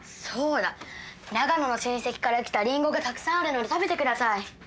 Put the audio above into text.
そうだ長野の親戚から来たリンゴがたくさんあるので食べて下さい。